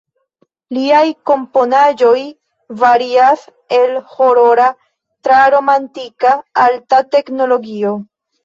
Liaj komponaĵoj varias el horora, tra romantika, alta teknologio.